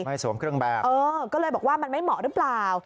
สวมเครื่องแบบเออก็เลยบอกว่ามันไม่เหมาะหรือเปล่า